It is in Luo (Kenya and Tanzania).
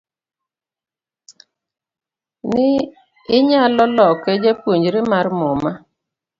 ni nyalo loke japuonjre mar muma